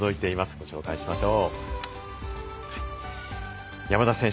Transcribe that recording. ご紹介しましょう。